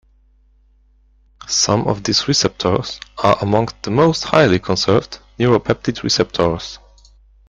Some of these receptors are among the most highly conserved neuropeptide receptors.